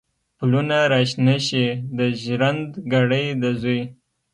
پلونه را شنه شي، د ژرند ګړی د زوی